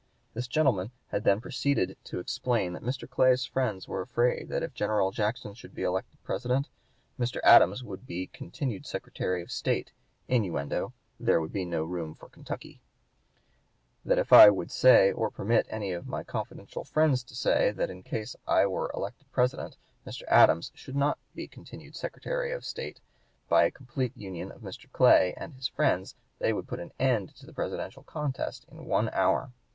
This gentleman had then proceeded to explain that Mr. Clay's friends were afraid that if General Jackson should be elected President, "Mr. Adams would be continued Secretary of State (innuendo, there would be no room for Kentucky); that if I would say, or permit any of my confidential friends to say, that in case I were elected President, Mr. Adams should not be continued Secretary of State, by a complete union of Mr. Clay and his friends they would put an end to the Presidential contest in one hour.